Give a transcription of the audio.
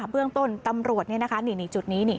เมืองต้นตำรวจจุดนี้